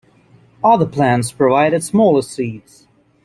Other plants provided smaller seeds.